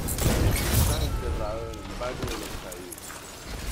Está enterrado en el Valle de los Caídos.